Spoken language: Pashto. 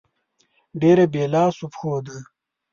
ډېره بې لاسو پښو ده.